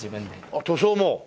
あっ塗装も。